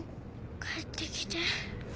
帰ってきて。